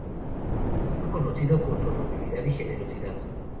Allí fue conocido por su amabilidad y generosidad.